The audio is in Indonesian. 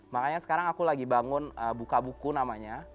makanya sekarang aku lagi bangun buka buku namanya